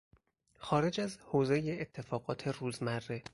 خارج از حوزهی اتفاقات روزمره